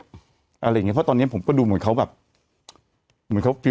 อะไรอย่างเงี้เพราะตอนนี้ผมก็ดูเหมือนเขาแบบเหมือนเขาฟิล